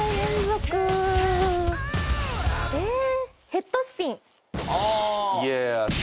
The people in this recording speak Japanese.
ヘッドスピン。